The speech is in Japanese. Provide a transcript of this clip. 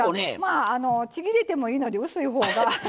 ちぎれてもいいので薄いほうが。